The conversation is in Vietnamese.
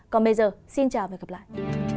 còn bây giờ xin chào và hẹn gặp lại